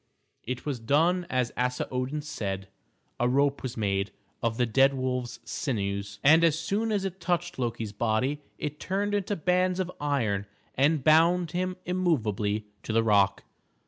It was done as Asa Odin said. A rope was made of the dead wolves' sinews, and as soon as it touched Loki's body it turned into bands of iron and bound him immovably to the rock.